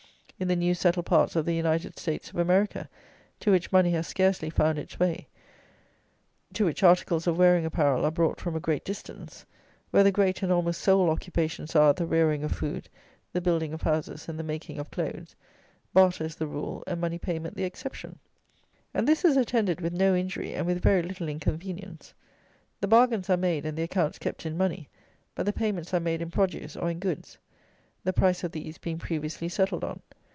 In the new settled parts of the United States of America, to which money has scarcely found its way, to which articles of wearing apparel are brought from a great distance, where the great and almost sole occupations are, the rearing of food, the building of houses, and the making of clothes, barter is the rule and money payment the exception. And this is attended with no injury and with very little inconvenience. The bargains are made, and the accounts kept in money; but the payments are made in produce or in goods, the price of these being previously settled on.